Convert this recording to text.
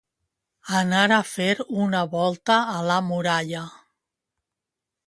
Anar a fer una volta a la muralla.